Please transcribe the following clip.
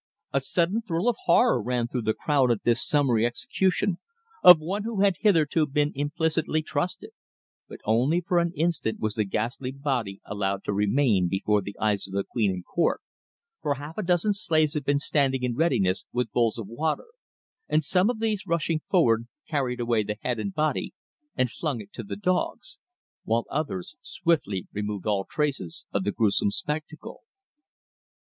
A sudden thrill of horror ran through the crowd at this summary execution of one who had hitherto been implicitly trusted, but only for an instant was the ghastly body allowed to remain before the eyes of Queen and court, for half a dozen slaves had been standing in readiness with bowls of water, and some of these rushing forward carried away the head and body and flung it to the dogs, while others swiftly removed all traces of the gruesome spectacle.